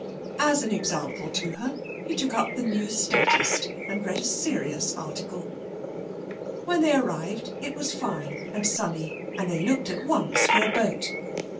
As an example to her he took up The New Statist and read a serious article. When they arrived it was fine and sunny, and they looked at once for a boat.